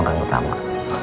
gua salah apa